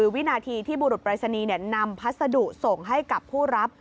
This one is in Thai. วินาทีที่บุรุษปรายศนีย์นำพัสดุส่งให้กับผู้รับ